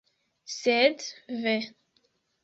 Sed, ve!